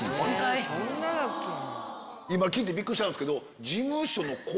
今聞いてびっくりしたんすけど。